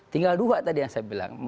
tinggal dua tadi yang saya bilang